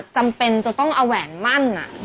จำเป็นจะต้องเอาแหวนมั่น